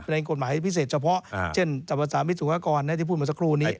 ในกฎหมายพิเศษเฉพาะเช่นสรรพสามิตสุภากรที่พูดมาสักครู่นี้